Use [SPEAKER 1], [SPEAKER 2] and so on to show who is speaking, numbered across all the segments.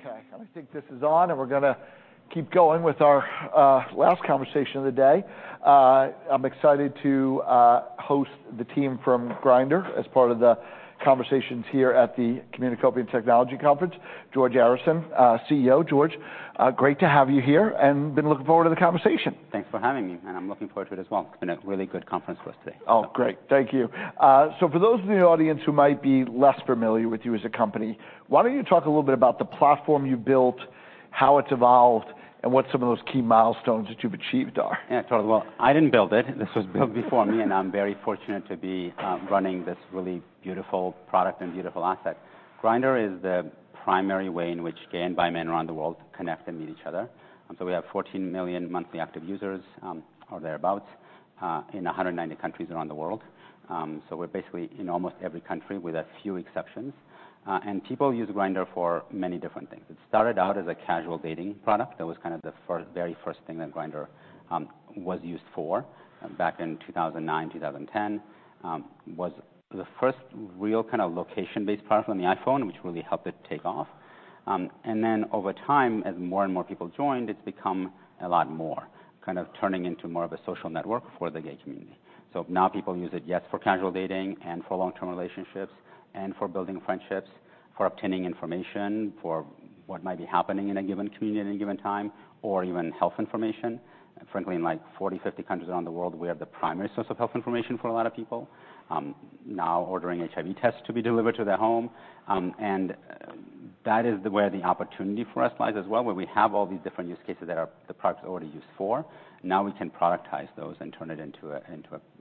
[SPEAKER 1] Okay, I think this is on, and we're gonna keep going with our last conversation of the day. I'm excited to host the team from Grindr as part of the conversations here at the Communicopia Technology Conference. George Arison, CEO. George, great to have you here and been looking forward to the conversation.
[SPEAKER 2] Thanks for having me, and I'm looking forward to it as well. It's been a really good conference with us today.
[SPEAKER 1] Oh, great. Thank you, so for those in the audience who might be less familiar with you as a company, why don't you talk a little bit about the platform you built, how it's evolved, and what some of those key milestones that you've achieved are?
[SPEAKER 2] Yeah, sure. Well, I didn't build it. This was built before me, and I'm very fortunate to be running this really beautiful product and beautiful asset. Grindr is the primary way in which gay and bi men around the world connect and meet each other. And so we have 14 million monthly active users, or thereabout, in 190 countries around the world. So we're basically in almost every country, with a few exceptions. And people use Grindr for many different things. It started out as a casual dating product. That was kind of the very first thing that Grindr was used for back in 2009, 2010. It was the first real kind of location-based product on the iPhone, which really helped it take off. And then over time, as more and more people joined, it's become a lot more, kind of turning into more of a social network for the gay community. So now people use it, yes, for casual dating and for long-term relationships and for building friendships, for obtaining information, for what might be happening in a given community at any given time, or even health information. Frankly, in like 40, 50 countries around the world, we are the primary source of health information for a lot of people, now ordering HIV tests to be delivered to their home, and that is the way the opportunity for us lies as well, where we have all these different use cases that are the product is already used for. Now we can productize those and turn it into a,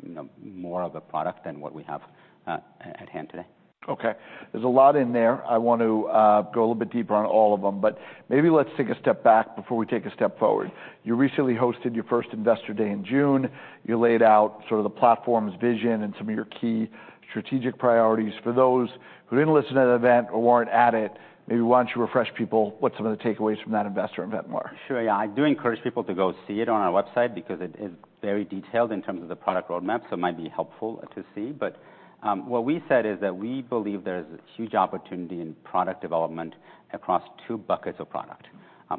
[SPEAKER 2] you know, more of a product than what we have at hand today.
[SPEAKER 1] Okay, there's a lot in there. I want to go a little bit deeper on all of them, but maybe let's take a step back before we take a step forward. You recently hosted your first Investor Day in June. You laid out sort of the platform's vision and some of your key strategic priorities. For those who didn't listen to that event or weren't at it, maybe why don't you refresh people what some of the takeaways from that investor event were?
[SPEAKER 2] Sure. Yeah, I do encourage people to go see it on our website because it is very detailed in terms of the product roadmap, so it might be helpful to see. But, what we said is that we believe there is a huge opportunity in product development across two buckets of product.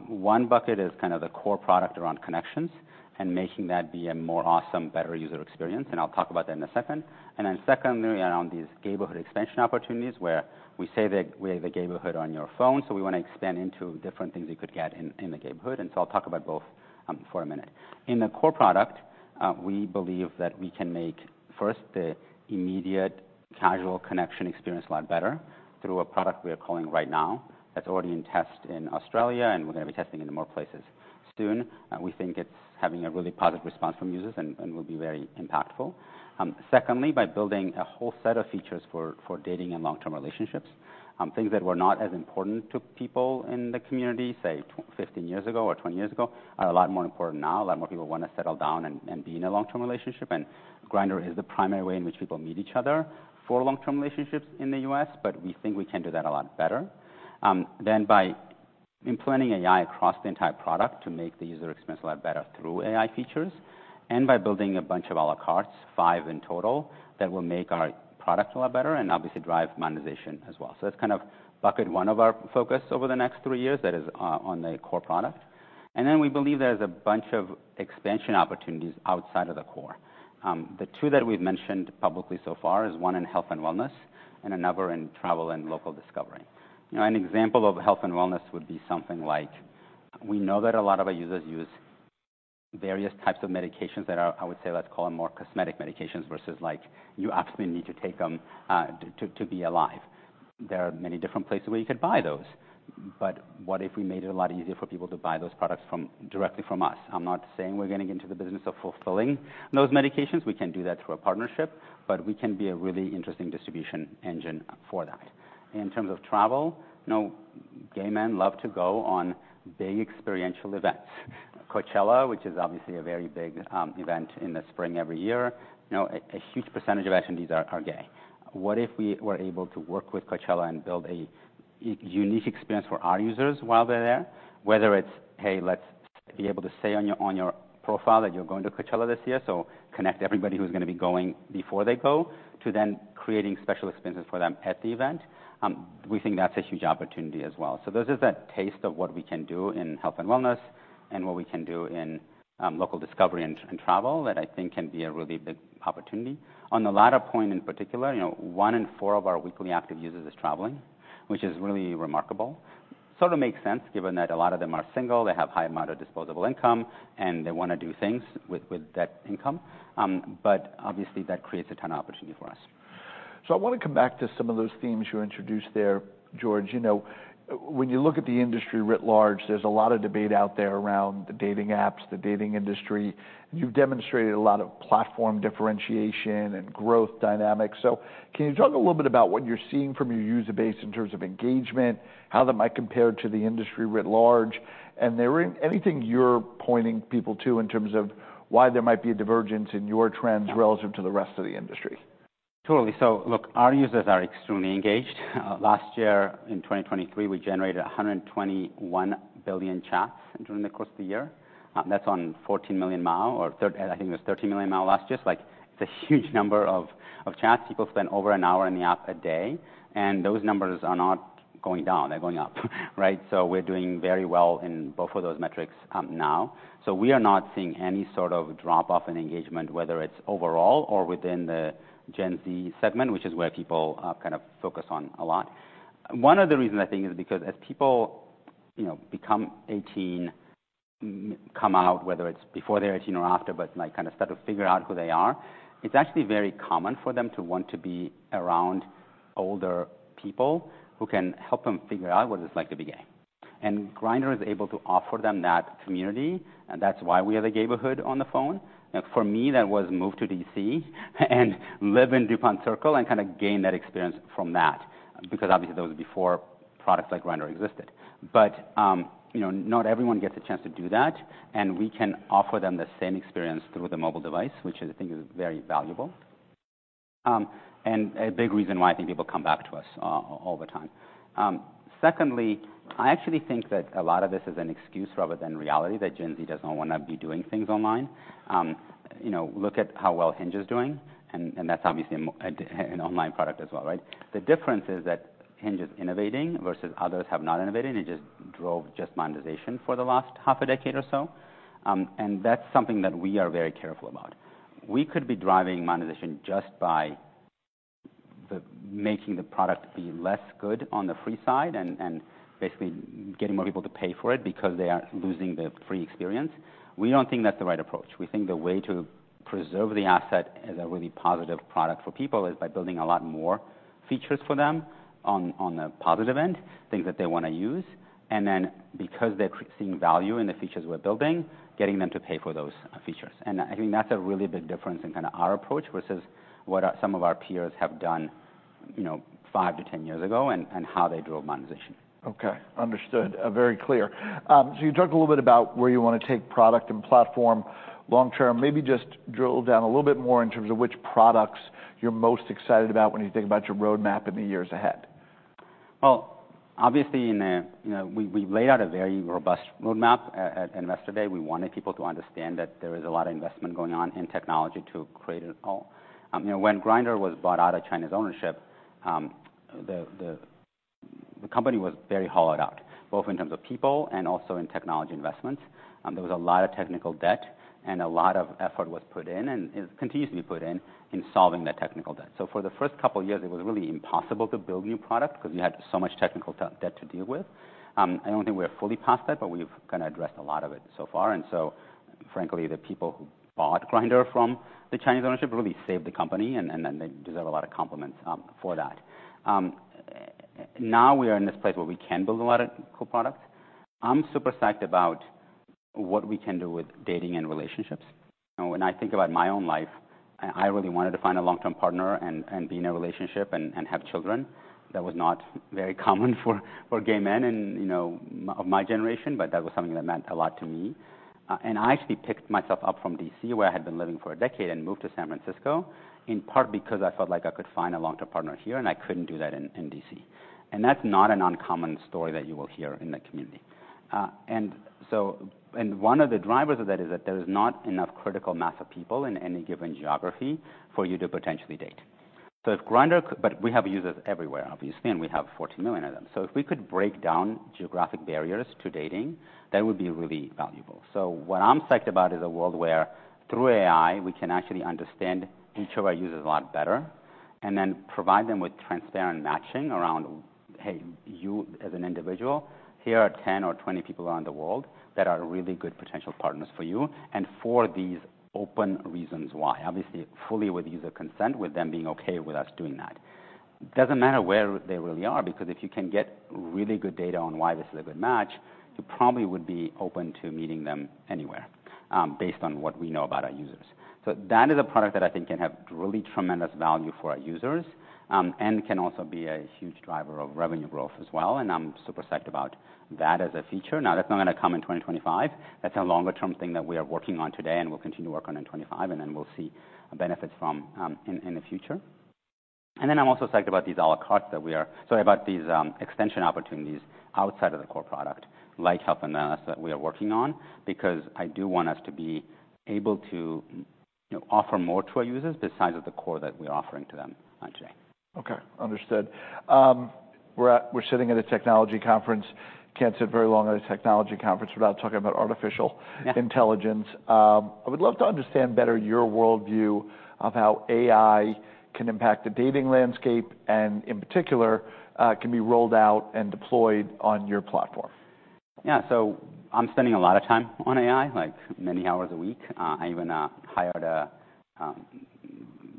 [SPEAKER 2] One bucket is kind of the core product around connections and making that be a more awesome, better user experience, and I'll talk about that in a second. And then secondly, around these gayborhood extension opportunities, where we say that we're the gayborhood on your phone, so we wanna expand into different things you could get in the gayborhood. And so I'll talk about both, for a minute. In the core product, we believe that we can make, first, the immediate casual connection experience a lot better through a product we are calling Right Now. That's already in test in Australia, and we're gonna be testing it in more places soon. We think it's having a really positive response from users and will be very impactful. Secondly, by building a whole set of features for dating and long-term relationships, things that were not as important to people in the community, say 15 ago or 20 years ago, are a lot more important now. A lot more people wanna settle down and be in a long-term relationship, and Grindr is the primary way in which people meet each other for long-term relationships in the U.S., but we think we can do that a lot better. Then by implementing AI across the entire product to make the user experience a lot better through AI features, and by building a bunch of à la cartes, five in total, that will make our product a lot better and obviously drive monetization as well. So that's kind of bucket one of our focus over the next three years, that is, on the core product. And then we believe there's a bunch of expansion opportunities outside of the core. The two that we've mentioned publicly so far is one in health and wellness and another in travel and local discovery. You know, an example of health and wellness would be something like, we know that a lot of our users use various types of medications that are, I would say, let's call them more cosmetic medications, versus like you absolutely need to take them to be alive. There are many different places where you could buy those, but what if we made it a lot easier for people to buy those products from directly from us? I'm not saying we're getting into the business of fulfilling those medications. We can do that through a partnership, but we can be a really interesting distribution engine for that. In terms of travel, you know, gay men love to go on big experiential events. Coachella, which is obviously a very big event in the spring every year, you know, a huge percentage of attendees are gay. What if we were able to work with Coachella and build a unique experience for our users while they're there? Whether it's, "Hey, let's be able to say on your profile that you're going to Coachella this year," so connect everybody who's gonna be going before they go, to then creating special experiences for them at the event. We think that's a huge opportunity as well. So those is a taste of what we can do in health and wellness and what we can do in local discovery and travel, that I think can be a really big opportunity. On the latter point, in particular, you know, one in four of our weekly active users is traveling, which is really remarkable. Sort of makes sense, given that a lot of them are single, they have high amount of disposable income, and they wanna do things with that income. But obviously, that creates a ton of opportunity for us.
[SPEAKER 1] I wanna come back to some of those themes you introduced there, George. You know, when you look at the industry writ large, there's a lot of debate out there around the dating apps, the dating industry. You've demonstrated a lot of platform differentiation and growth dynamics. So can you talk a little bit about what you're seeing from your user base in terms of engagement, how that might compare to the industry writ large, and anything you're pointing people to in terms of why there might be a divergence in your trends relative to the rest of the industry?
[SPEAKER 2] Totally. So look, our users are extremely engaged. Last year, in 2023, we generated 121 billion chats during the course of the year. That's on 14 million MAU, or I think it was 13 million MAU last year. Like, it's a huge number of chats. People spend over an hour in the app a day, and those numbers are not going down, they're going up, right? So we're doing very well in both of those metrics, now. So we are not seeing any sort of drop-off in engagement, whether it's overall or within the Gen Z segment, which is where people kind of focus on a lot. One of the reasons, I think, is because as people, you know, become eighteen, come out, whether it's before they're eighteen or after, but like, kind of start to figure out who they are, it's actually very common for them to want to be around older people who can help them figure out what it's like to be gay. And Grindr is able to offer them that community, and that's why we have a gayborhood on the phone. For me, that was move to D.C. and live in Dupont Circle and kinda gain that experience from that. Because obviously, that was before products like Grindr existed. But, you know, not everyone gets a chance to do that, and we can offer them the same experience through the mobile device, which I think is very valuable. And a big reason why I think people come back to us all the time. Secondly, I actually think that a lot of this is an excuse rather than reality, that Gen Z does not wanna be doing things online. You know, look at how well Hinge is doing, and that's obviously an online product as well, right? The difference is that Hinge is innovating versus others have not innovated, and just drove monetization for the last half a decade or so. And that's something that we are very careful about. We could be driving monetization just by making the product be less good on the free side, and basically getting more people to pay for it because they are losing the free experience. We don't think that's the right approach. We think the way to preserve the asset as a really positive product for people is by building a lot more features for them on the positive end, things that they wanna use. And then, because they're seeing value in the features we're building, getting them to pay for those features. And I think that's a really big difference in kinda our approach, versus what some of our peers have done, you know, five to 10 years ago, and how they drove monetization.
[SPEAKER 1] Okay, understood. Very clear, so you talked a little bit about where you wanna take product and platform long term. Maybe just drill down a little bit more in terms of which products you're most excited about when you think about your roadmap in the years ahead.
[SPEAKER 2] Obviously, you know, we laid out a very robust roadmap at Investor Day. We wanted people to understand that there is a lot of investment going on in technology to create it all. You know, when Grindr was bought out of China's ownership, the company was very hollowed out, both in terms of people and also in technology investments. There was a lot of technical debt and a lot of effort was put in and continues to be put in, in solving that technical debt. So for the first couple of years, it was really impossible to build new product because we had so much technical debt to deal with. I don't think we're fully past that, but we've kinda addressed a lot of it so far. And so, frankly, the people who bought Grindr from the Chinese ownership really saved the company, and they deserve a lot of compliments for that. Now we are in this place where we can build a lot of cool products. I'm super psyched about what we can do with dating and relationships. You know, when I think about my own life, I really wanted to find a long-term partner and be in a relationship and have children. That was not very common for gay men and, you know, men of my generation, but that was something that meant a lot to me. And I actually picked myself up from D.C., where I had been living for a decade, and moved to San Francisco, in part because I felt like I could find a long-term partner here, and I couldn't do that in D.C. And that's not an uncommon story that you will hear in the community. And one of the drivers of that is that there is not enough critical mass of people in any given geography for you to potentially date. So if Grindr, but we have users everywhere, obviously, and we have 14 million of them. So if we could break down geographic barriers to dating, that would be really valuable. So what I'm psyched about is a world where through AI, we can actually understand each of our users a lot better, and then provide them with transparent matching around, "Hey, you as an individual, here are 10 or 20 people around the world that are really good potential partners for you, and for these open reasons why." Obviously, fully with user consent, with them being okay with us doing that. Doesn't matter where they really are, because if you can get really good data on why this is a good match, you probably would be open to meeting them anywhere, based on what we know about our users. So that is a product that I think can have really tremendous value for our users, and can also be a huge driver of revenue growth as well, and I'm super psyched about that as a feature. Now, that's not gonna come in 2025. That's a longer term thing that we are working on today, and we'll continue to work on in 2025, and then we'll see benefits from in the future. And then I'm also psyched about these extension opportunities outside of the core product, like health analysis, that we are working on, because I do want us to be able to, you know, offer more to our users besides the core that we're offering to them today.
[SPEAKER 1] Okay, understood. We're sitting at a technology conference. Can't sit very long at a technology conference without talking about artificial intelligence. I would love to understand better your worldview of how AI can impact the dating landscape, and in particular, can be rolled out and deployed on your platform?
[SPEAKER 2] Yeah. So I'm spending a lot of time on AI, like, many hours a week. I even hired a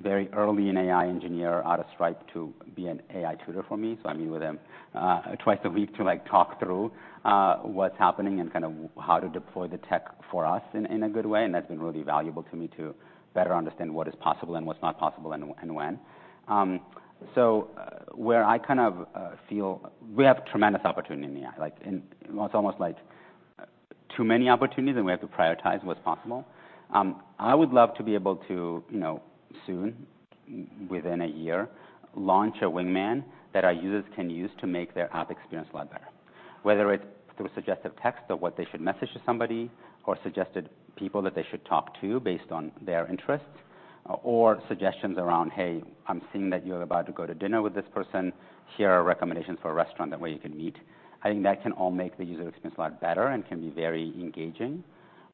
[SPEAKER 2] very early AI engineer out of Stripe to be an AI tutor for me. So I meet with him twice a week to, like, talk through what's happening and kind of how to deploy the tech for us in a good way. And that's been really valuable to me to better understand what is possible and what's not possible, and when. So where I kind of feel we have tremendous opportunity in AI, like, and well, it's almost like too many opportunities, and we have to prioritize what's possible. I would love to be able to, you know, soon, within a year, launch a Wingman that our users can use to make their app experience a lot better. Whether it's through suggestive text of what they should message to somebody, or suggested people that they should talk to based on their interests, or suggestions around, "Hey, I'm seeing that you're about to go to dinner with this person. Here are recommendations for a restaurant where you can meet." I think that can all make the user experience a lot better and can be very engaging.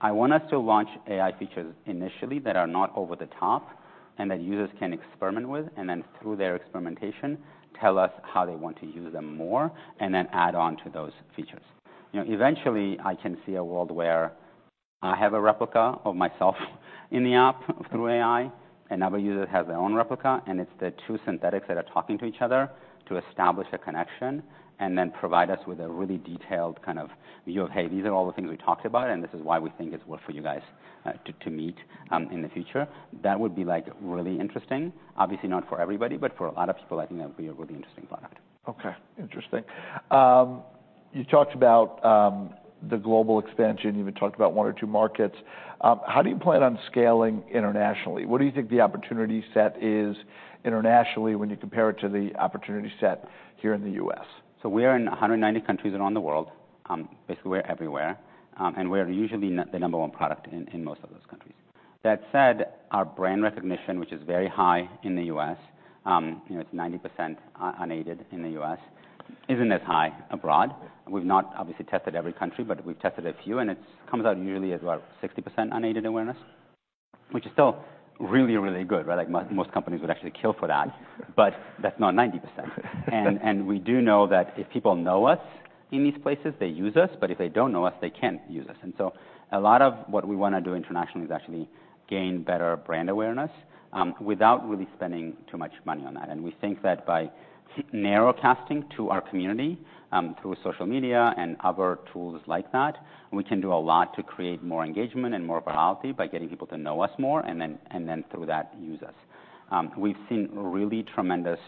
[SPEAKER 2] I want us to launch AI features initially that are not over the top and that users can experiment with, and then through their experimentation, tell us how they want to use them more, and then add on to those features. You know, eventually, I can see a world where I have a replica of myself in the app through AI, and other users have their own replica, and it's the two synthetics that are talking to each other to establish a connection and then provide us with a really detailed kind of view of, "Hey, these are all the things we talked about, and this is why we think it's worth for you guys to meet in the future." That would be, like, really interesting. Obviously, not for everybody, but for a lot of people, I think that would be a really interesting product.
[SPEAKER 1] Okay, interesting. You talked about the global expansion. You even talked about one or two markets. How do you plan on scaling internationally? What do you think the opportunity set is internationally when you compare it to the opportunity set here in the U.S.?
[SPEAKER 2] We are in 190 countries around the world. Basically, we're everywhere. And we're usually the number one product in most of those countries. That said, our brand recognition, which is very high in the U.S., you know, it's 90% unaided in the U.S., isn't as high abroad. We've not obviously tested every country, but we've tested a few, and it comes out nearly at about 60% unaided awareness, which is still really good, right? Like, most companies would actually kill for that. But that's not 90%. And we do know that if people know us in these places, they use us, but if they don't know us, they can't use us. A lot of what we wanna do internationally is actually gain better brand awareness, without really spending too much money on that. We think that by narrowcasting to our community, through social media and other tools like that, we can do a lot to create more engagement and more virality by getting people to know us more, and then through that, use us. We've seen really tremendous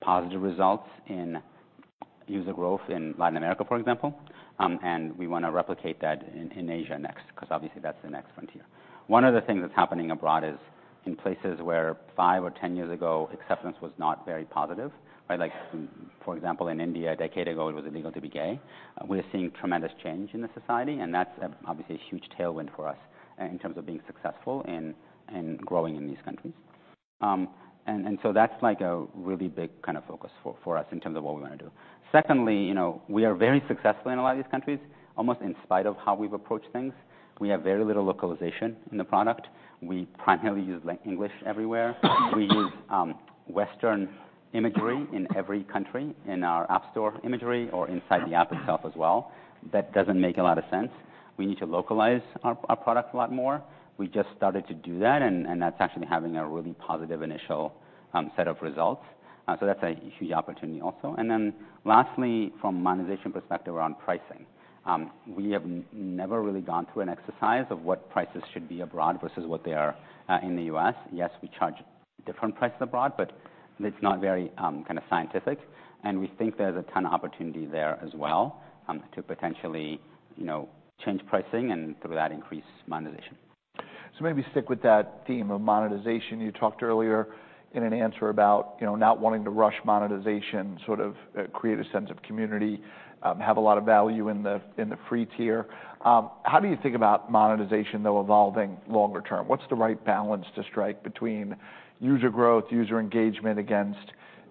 [SPEAKER 2] positive results in user growth in Latin America, for example, and we wanna replicate that in Asia next, 'cause obviously, that's the next frontier. One of the things that's happening abroad is in places where five or 10 years ago, acceptance was not very positive, right? Like, for example, in India, a decade ago, it was illegal to be gay. We're seeing tremendous change in the society, and that's obviously a huge tailwind for us in terms of being successful in growing in these countries, and so that's, like, a really big kind of focus for us in terms of what we wanna do. Secondly, you know, we are very successful in a lot of these countries, almost in spite of how we've approached things. We have very little localization in the product. We primarily use, like, English everywhere. We use Western imagery in every country, in our app store imagery or inside the app itself as well. That doesn't make a lot of sense. We need to localize our product a lot more. We just started to do that, and that's actually having a really positive initial set of results. So that's a huge opportunity also. And then lastly, from a monetization perspective around pricing. We have never really gone through an exercise of what prices should be abroad versus what they are in the U.S. Yes, we charge different prices abroad, but it's not very kind of scientific, and we think there's a ton of opportunity there as well to potentially, you know, change pricing, and through that, increase monetization.
[SPEAKER 1] So maybe stick with that theme of monetization. You talked earlier in an answer about, you know, not wanting to rush monetization, sort of, create a sense of community, have a lot of value in the free tier. How do you think about monetization, though, evolving longer term? What's the right balance to strike between user growth, user engagement, against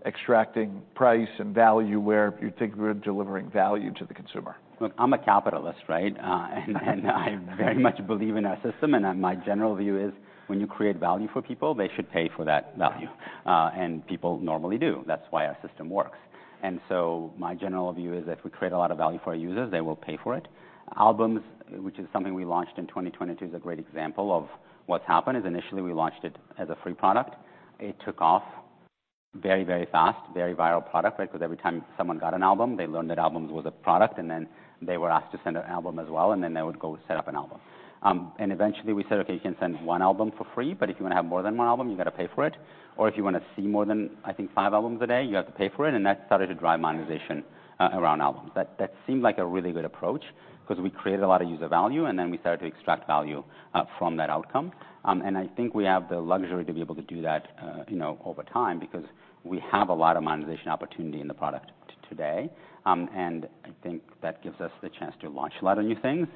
[SPEAKER 1] extracting price and value where you think you're delivering value to the consumer?
[SPEAKER 2] Look, I'm a capitalist, right? And I very much believe in our system, and my general view is when you create value for people, they should pay for that value. And people normally do. That's why our system works. So my general view is if we create a lot of value for our users, they will pay for it. Albums, which is something we launched in 2022, is a great example of what's happened. Initially we launched it as a free product. It took off very, very fast, very viral product, right? Because every time someone got an album, they learned that Albums was a product, and then they were asked to send an album as well, and then they would go set up an album. And eventually we said, "Okay, you can send one album for free, but if you wanna have more than one album, you gotta pay for it. Or if you wanna see more than, I think, five albums a day, you have to pay for it." And that started to drive monetization around albums. That, that seemed like a really good approach because we created a lot of user value, and then we started to extract value from that outcome. And I think we have the luxury to be able to do that, you know, over time because we have a lot of monetization opportunity in the product today. And I think that gives us the chance to launch a lot of new things,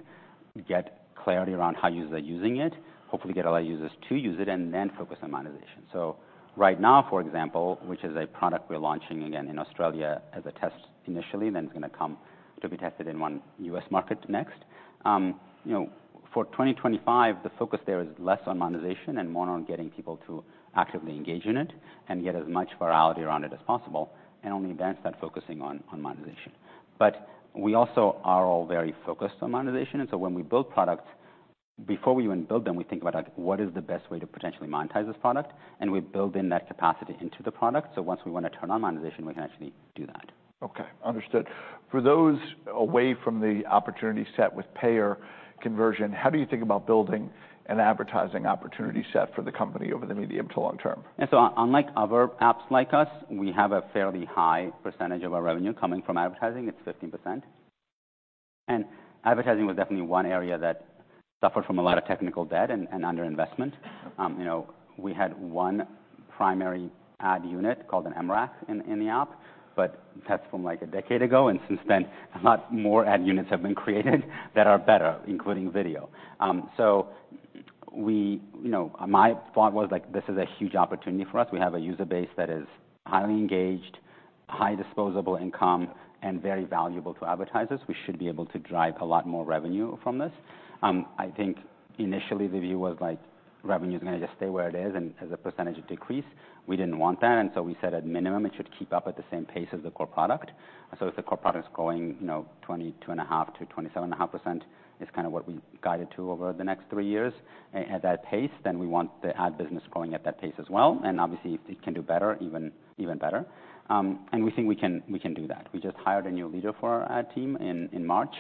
[SPEAKER 2] get clarity around how users are using it, hopefully get a lot of users to use it, and then focus on monetization. So Right Now, for example, which is a product we're launching again in Australia as a test initially, then it's gonna come to be tested in one U.S. market next. You know, for 2025, the focus there is less on monetization and more on getting people to actively engage in it and get as much virality around it as possible, and only then start focusing on monetization. But we also are all very focused on monetization, and so when we build products, before we even build them, we think about like, what is the best way to potentially monetize this product? We build in that capacity into the product, so once we wanna turn on monetization, we can actually do that.
[SPEAKER 1] Okay, understood. For those away from the opportunity set with payer conversion, how do you think about building an advertising opportunity set for the company over the medium to long term?
[SPEAKER 2] Unlike other apps like us, we have a fairly high percentage of our revenue coming from advertising. It's 15%. Advertising was definitely one area that suffered from a lot of technical debt and underinvestment. You know, we had one primary ad unit called an MREC in the app, but that's from, like, a decade ago, and since then, a lot more ad units have been created that are better, including video. You know, my thought was, like, this is a huge opportunity for us. We have a user base that is highly engaged, high disposable income, and very valuable to advertisers. We should be able to drive a lot more revenue from this. I think initially the view was, like, revenue is gonna just stay where it is, and as a percentage, it decreased. We didn't want that, and so we said, at minimum, it should keep up at the same pace as the core product, so if the core product is growing, you know, 22.5%-27.5%, is kind of what we guided to over the next three years. At that pace, then we want the ad business growing at that pace as well, and obviously, if it can do better, even better. And we think we can do that. We just hired a new leader for our ad team in March.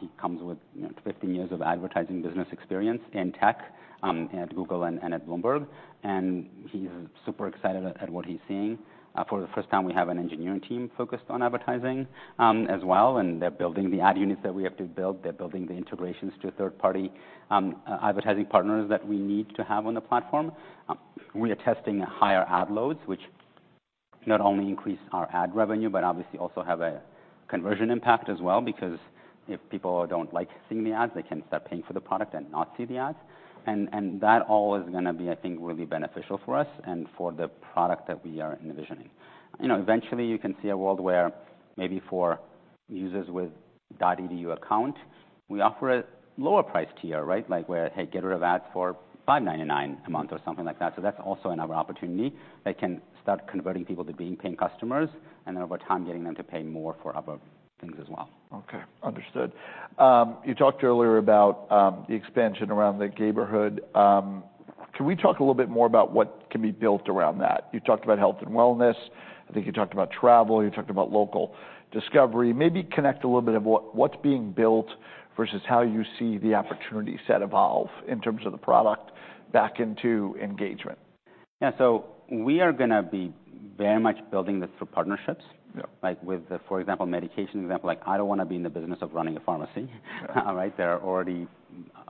[SPEAKER 2] He comes with, you know, 15 years of advertising business experience in tech, at Google and at Bloomberg, and he is super excited at what he's seeing. For the first time, we have an engineering team focused on advertising, as well, and they're building the ad units that we have to build. They're building the integrations to third-party advertising partners that we need to have on the platform. We are testing higher ad loads, which not only increase our ad revenue, but obviously also have a conversion impact as well, because if people don't like seeing the ads, they can start paying for the product and not see the ads. And that all is gonna be, I think, really beneficial for us and for the product that we are envisioning. You know, eventually you can see a world where maybe for users with .edu account, we offer a lower price tier, right? Like, where, "Hey, get rid of ads for $5.99 a month," or something like that. So that's also another opportunity that can start converting people to being paying customers and over time, getting them to pay more for other things as well.
[SPEAKER 1] Okay, understood. You talked earlier about the expansion around the gayborhood. Can we talk a little bit more about what can be built around that? You talked about health and wellness. I think you talked about travel, you talked about local discovery. Maybe connect a little bit of what's being built versus how you see the opportunity set evolve in terms of the product back into engagement.
[SPEAKER 2] Yeah, so we are gonna be very much building this through partnerships.
[SPEAKER 1] Yeah.
[SPEAKER 2] Like with, for example, medication example, like, I don't wanna be in the business of running a pharmacy.
[SPEAKER 1] Sure.
[SPEAKER 2] All right? There are already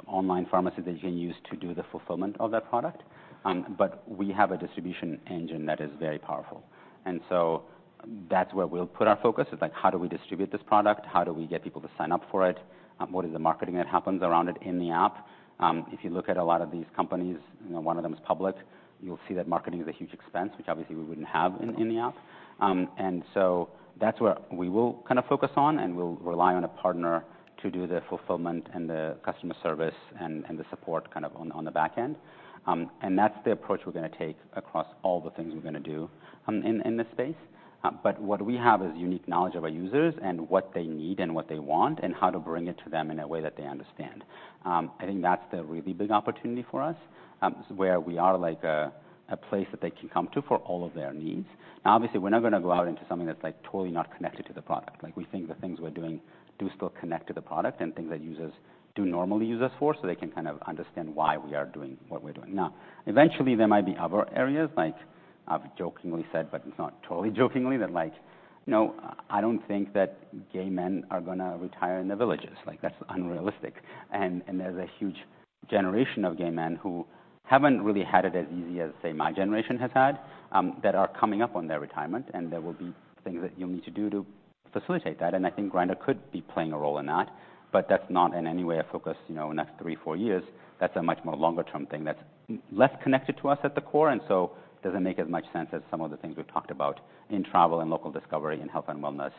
[SPEAKER 2] online pharmacies that you use to do the fulfillment of that product. But we have a distribution engine that is very powerful. And so that's where we'll put our focus, is like, how do we distribute this product? How do we get people to sign up for it? What is the marketing that happens around it in the app? If you look at a lot of these companies, you know, one of them is public, you'll see that marketing is a huge expense, which obviously we wouldn't have in the app. And so that's where we will kind of focus on, and we'll rely on a partner to do the fulfillment and the customer service and the support kind of on the back end. And that's the approach we're gonna take across all the things we're gonna do in this space. But what we have is unique knowledge of our users and what they need and what they want, and how to bring it to them in a way that they understand. I think that's the really big opportunity for us, where we are like a place that they can come to for all of their needs. And obviously, we're not gonna go out into something that's like totally not connected to the product. Like, we think the things we're doing do still connect to the product and things that users do normally use us for, so they can kind of understand why we are doing what we're doing. Now, eventually, there might be other areas like I've jokingly said, but it's not totally jokingly, that like, you know, I don't think that gay men are gonna retire in The Villages. Like, that's unrealistic, and there's a huge generation of gay men who haven't really had it as easy as, say, my generation has had, that are coming up on their retirement, and there will be things that you'll need to do to facilitate that, and I think Grindr could be playing a role in that, but that's not in any way a focus, you know, in the next three, four years. That's a much more longer-term thing that's less connected to us at the core, and so it doesn't make as much sense as some of the things we've talked about in travel and local discovery, in health and wellness,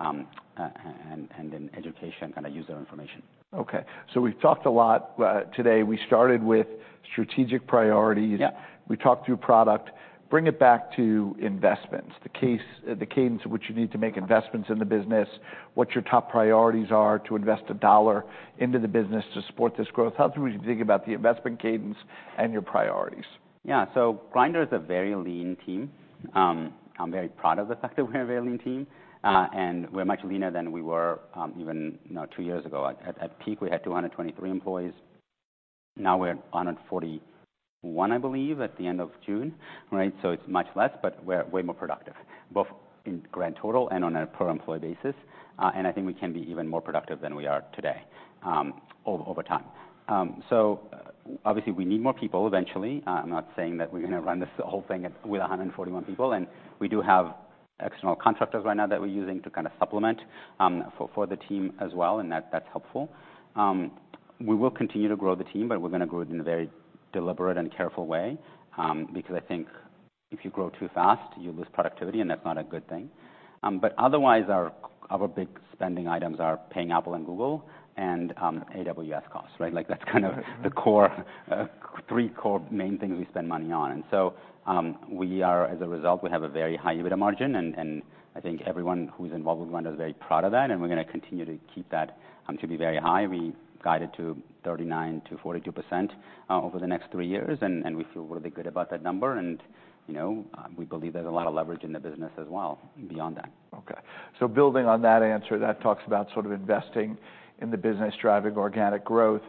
[SPEAKER 2] and in education, kind of user information.
[SPEAKER 1] Okay, so we've talked a lot, today. We started with strategic priorities.
[SPEAKER 2] Yeah.
[SPEAKER 1] We talked through product. Bring it back to investments, the cadence in which you need to make investments in the business, what your top priorities are to invest a dollar into the business to support this growth. Help me think about the investment cadence and your priorities.
[SPEAKER 2] Yeah. So Grindr is a very lean team. I'm very proud of the fact that we're a very lean team, and we're much leaner than we were, even, you know, two years ago. At peak, we had 223 employees. Now we're at 141, I believe, at the end of June, right? So it's much less, but we're way more productive, both in grand total and on a per employee basis. And I think we can be even more productive than we are today, over time. So obviously, we need more people eventually. I'm not saying that we're gonna run this, the whole thing with a 141 people, and we do have external contractors right now that we're using to kind of supplement for the team as well, and that's helpful. We will continue to grow the team, but we're gonna grow it in a very deliberate and careful way, because I think if you grow too fast, you lose productivity, and that's not a good thing. But otherwise, our big spending items are paying Apple and Google and AWS costs, right? Like, that's kind of the core three main things we spend money on. As a result, we have a very high EBITDA margin, and I think everyone who's involved with Grindr is very proud of that, and we're gonna continue to keep that to be very high. We guide it to 39%-42% over the next three years, and we feel really good about that number. And, you know, we believe there's a lot of leverage in the business as well, beyond that.
[SPEAKER 1] Okay, so building on that answer, that talks about sort of investing in the business, driving organic growth.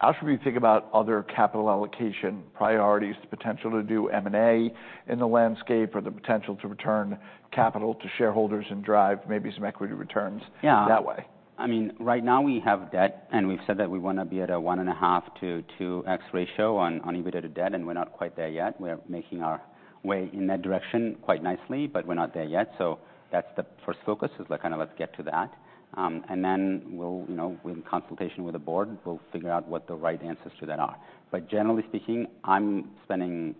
[SPEAKER 1] How should we think about other capital allocation priorities, the potential to do M&A in the landscape or the potential to return capital to shareholders and drive maybe some equity returns that way?
[SPEAKER 2] I mean, right now we have debt, and we've said that we wanna be at a 1.5-2x ratio on EBITDA debt, and we're not quite there yet. We're making our way in that direction quite nicely, but we're not there yet, so that's the first focus, is like, kind of let's get to that, and then we'll, you know, in consultation with the board, we'll figure out what the right answers to that are, but generally speaking, I'm spending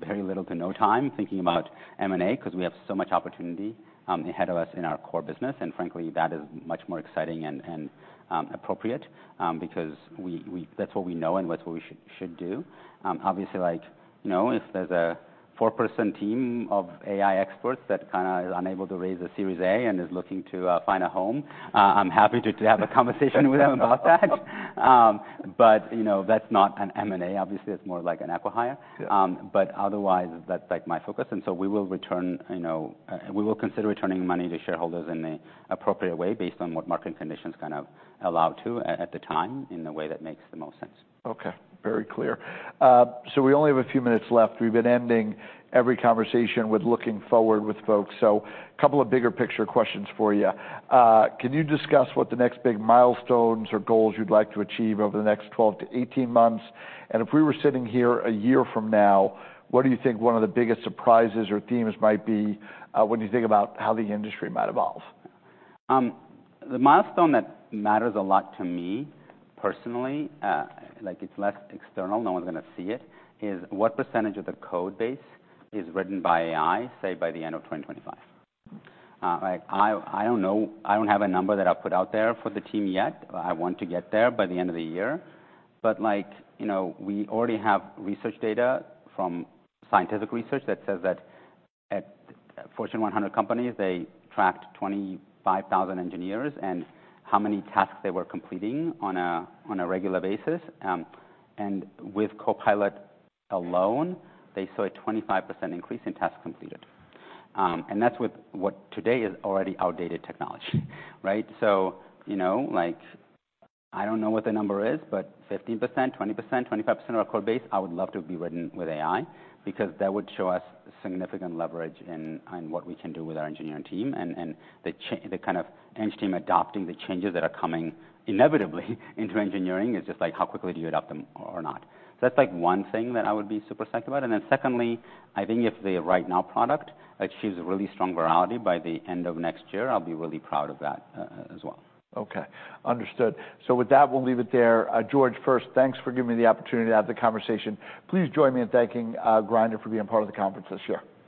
[SPEAKER 2] very little to no time thinking about M&A, because we have so much opportunity ahead of us in our core business, and frankly, that is much more exciting and appropriate, because we, that's what we know and that's what we should do. Obviously, like, you know, if there's a four-person team of AI experts that kinda is unable to raise a Series A and is looking to find a home, I'm happy to have a conversation with them about that. But, you know, that's not an M&A, obviously, it's more like an acqui-hire.
[SPEAKER 1] Sure.
[SPEAKER 2] But otherwise, that's, like, my focus, and so, you know, we will consider returning money to shareholders in the appropriate way, based on what market conditions kind of allow to at the time, in the way that makes the most sense.
[SPEAKER 1] Okay, very clear. So we only have a few minutes left. We've been ending every conversation with looking forward with folks, so couple of bigger picture questions for you. Can you discuss what the next big milestones or goals you'd like to achieve over the next twelve to eighteen months? And if we were sitting here a year from now, what do you think one of the biggest surprises or themes might be, when you think about how the industry might evolve?
[SPEAKER 2] The milestone that matters a lot to me, personally, like, it's less external, no one's gonna see it, is what percentage of the code base is written by AI, say, by the end of 2025? Like, I don't know. I don't have a number that I've put out there for the team yet. I want to get there by the end of the year. But like, you know, we already have research data from scientific research that says that at Fortune 100 companies, they tracked 25,000 engineers, and how many tasks they were completing on a regular basis. And with Copilot alone, they saw a 25% increase in tasks completed. And that's with what today is already outdated technology, right? You know, like, I don't know what the number is, but 15%, 20%, 25% of our code base, I would love to be written with AI, because that would show us significant leverage in on what we can do with our engineering team. The kind of eng team adopting the changes that are coming inevitably into engineering, it's just like, how quickly do you adopt them or not. That's, like, one thing that I would be super psyched about. Then secondly, I think if the Right Now product achieves a really strong virality by the end of next year, I'll be really proud of that, as well.
[SPEAKER 1] Okay, understood. So with that, we'll leave it there. George, first thanks for giving me the opportunity to have the conversation. Please join me in thanking Grindr for being part of the conference this year.